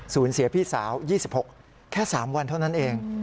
เสียพี่สาว๒๖แค่๓วันเท่านั้นเอง